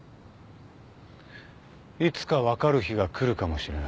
いつか分かる日が来るかもしれない。